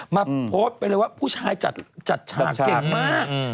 มาโพสต์ไปเลยว่าผู้ชายจัดฉากเก่งมาก